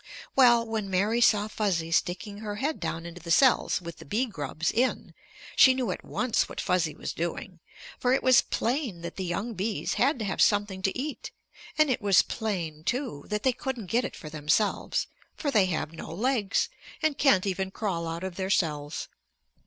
Well, when Mary saw Fuzzy sticking her head down into the cells with the bee grubs in, she knew at once what Fuzzy was doing. For it was plain that the young bees had to have something to eat and it was plain, too, that they couldn't get it for themselves, for they have no legs, and can't even crawl out of their cells.